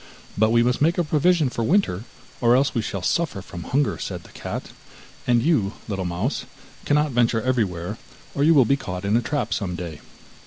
'But we must make a provision for winter, or else we shall suffer from hunger,' said the cat; 'and you, little mouse, cannot venture everywhere, or you will be caught in a trap some day.